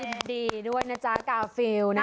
ยินดีด้วยนะจ๊ะกาฟิลนะ